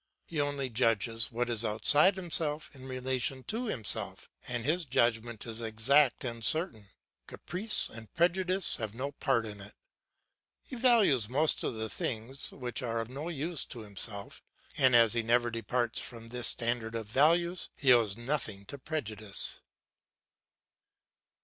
He only judges what is outside himself in relation to himself, and his judgment is exact and certain. Caprice and prejudice have no part in it. He values most the things which are of use to himself, and as he never departs from this standard of values, he owes nothing to prejudice.